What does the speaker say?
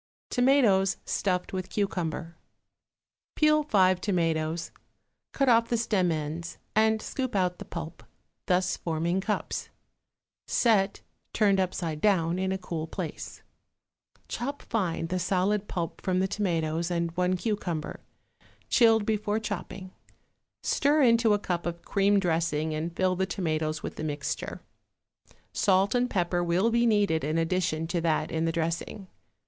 =Tomatoes Stuffed with Cucumber.= Peel five tomatoes, cut off the stem ends and scoop out the pulp, thus forming cups; set, turned upside down, in a cool place. Chop fine the solid pulp from the tomatoes and one cucumber, chilled before chopping; stir into a cup of cream dressing and fill the tomatoes with the mixture. Salt and pepper will be needed in addition to that in the dressing.